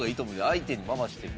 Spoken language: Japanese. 相手に回しても。